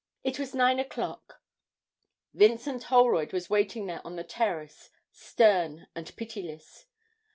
It was nine o'clock. Vincent Holroyd was waiting there on the terrace, stern and pitiless.